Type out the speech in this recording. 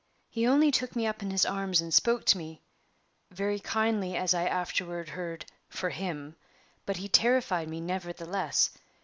He only took me up in his arms and spoke to me very kindly, as I afterward heard, for him but he terrified me, nevertheless.